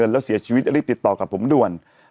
แล้วเสียชีวิตรีบติดต่อกับผมด่วน